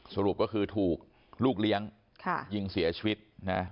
สรุปก็คือถูกลูกเลี้ยงยิงเสียชีวิตนะ